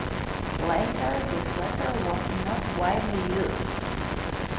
Later this letter was not widely used.